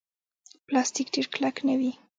پلاستيک ډېر کلک نه وي.